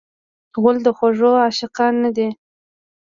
غول د خوږو عاشق نه دی.